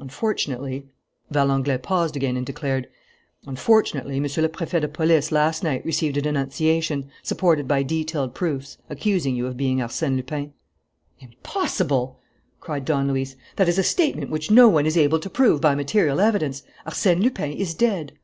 Unfortunately " Valenglay paused again and declared: "Unfortunately, Monsieur le Préfet de Police last night received a denunciation, supported by detailed proofs, accusing you of being Arsène Lupin." "Impossible!" cried Don Luis. "That is a statement which no one is able to prove by material evidence. Arsène Lupin is dead."